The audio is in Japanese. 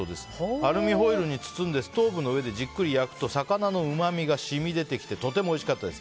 アルミホイルに包んでストーブの上でじっくり焼くと魚のうまみが染み出てきてとてもおいしかったです。